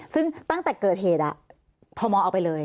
ซึ่งตั้งแต่เกิดเหตุอ่ะภอมอร์เอาไปเลย